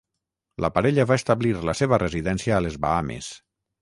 La parella va establir la seva residència a les Bahames.